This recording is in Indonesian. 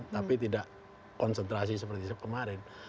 tapi tidak konsentrasi seperti kemarin